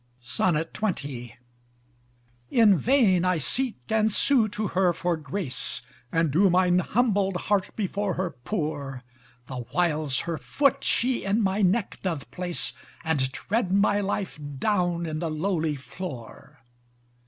XX In vain I seek and sue to her for grace, And do mine humbled heart before her pour, The whiles her foot she in my neck doth place, And tread my life down in the lowly floor.